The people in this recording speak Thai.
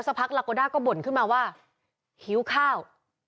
ซื้อข้าว